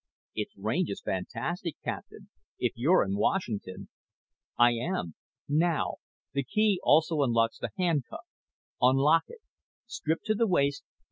"It's range is fantastic, Captain if you're in Washington." "I am. Now. The key also unlocks the handcuff. Unlock it. Strip to the waist.